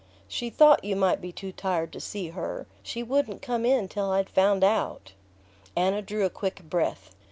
"She thought you might be too tired to see her: she wouldn't come in till I'd found out." Anna drew a quick breath.